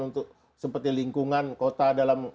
untuk seperti lingkungan kota dalam